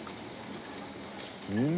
うん！